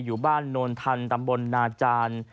อยู่บ้านโนนทันตำบลนาจารย์